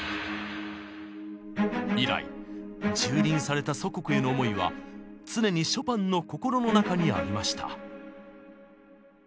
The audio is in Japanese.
以来蹂躙された祖国への思いは常にショパンの心の中にありました。